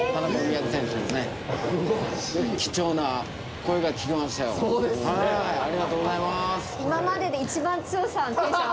貴重な声が聞けましたよ。